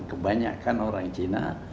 kebanyakan orang cina